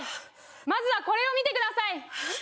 まずはこれを見てくださいえっ？